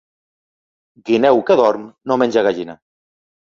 Guineu que dorm no menja gallina.